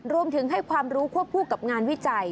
รวมถึงให้ความรู้ควบคู่กับงานวิจัย